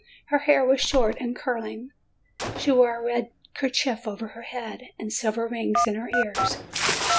Her hair was short and curling, she wore a red kerchief over her head, and silver rings in her ears.